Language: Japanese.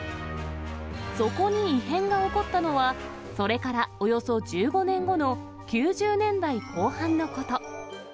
そこに異変が起こったのは、それからおよそ１５年後の９０年代後半のこと。